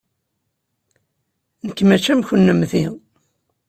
Nekk maci am kennemti!